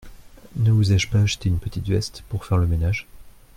Ne vous ai-je pas acheté une petite veste pour faire le ménage ?